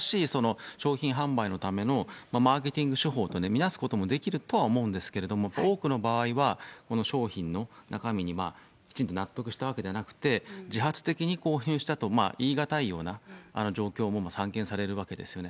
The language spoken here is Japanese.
新しい商品販売のためのマーケティング手法と見なすこともできると思うんですけれども、多くの場合は、この商品の中身にきちんと納得したわけではなくて、自発的に購入したと言い難いような状況も散見されるわけですよね。